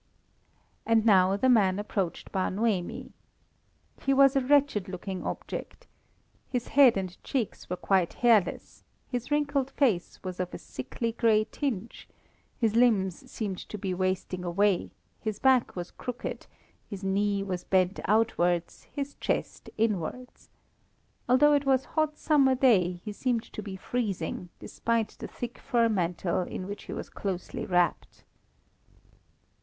And now the man approached Bar Noemi. He was a wretched looking object. His head and cheeks were quite hairless; his wrinkled face was of a sickly grey tinge; his limbs seemed to be wasting away; his back was crooked; his knee was bent outwards, his chest inwards. Although it was a hot summer day, he seemed to be freezing, despite the thick fur mantle in which he was closely wrapped.